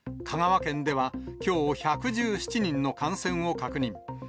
香川県ではきょう１１７人の感染を確認。